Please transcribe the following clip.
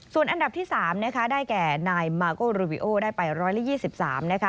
ส่วนอันดับที่๓ได้แก่นายมาร์โกลลูวิโอได้ไป๑๒๓